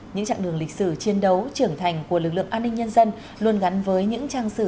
những trạng đường lịch sử chiến đấu trưởng thành của lực lượng an ninh nhân dân luôn gắn với những trang sử